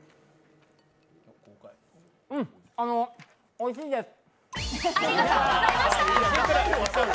おいしいです！